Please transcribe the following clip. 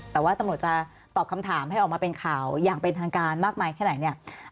แต่ว่าตำรวจจะตอบคำถามให้ออกมาเป็นข่าวอย่างเป็นทางการมากมายแค่ไหนเนี่ย